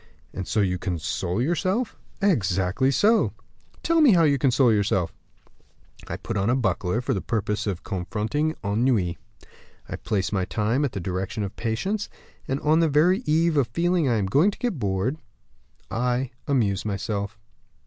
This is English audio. "And so you console yourself?" "Exactly so." "Tell me how you console yourself." "I put on a buckler for the purpose of confronting ennui. I place my time at the direction of patience; and on the very eve of feeling I am going to get bored, I amuse myself."